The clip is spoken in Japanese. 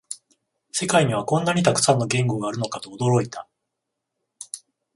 世界にはこんなにたくさんの言語があるのかと驚いた